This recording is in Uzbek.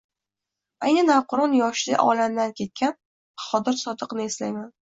ayni navqiron yoshida olamdan ketgan Bahodir Sodiqni eslayman…